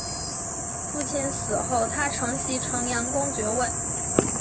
父亲死后他承袭城阳公爵位。